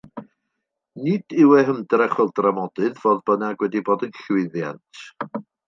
Nid yw ei hymdrech fel dramodydd, fodd bynnag, wedi bod yn llwyddiant.